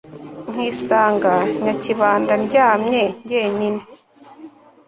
nkisanga nyakibanda ndyamye njyenyine